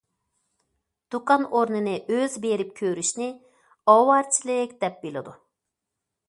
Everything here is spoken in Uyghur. دۇكان ئورنىنى ئۆزى بېرىپ كۆرۈشنى ئاۋارىچىلىك، دەپ بىلىدۇ.